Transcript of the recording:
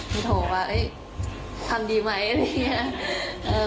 พี่โถ่ว่าทำดีไหมอะไรอย่างเงี้ย